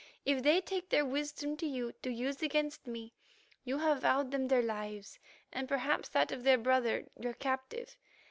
If they take their wisdom to you to use against me, you have vowed them their lives, and, perhaps, that of their brother, your captive.